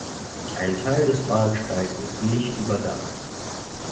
Ein Teil des Bahnsteigs ist nicht überdacht.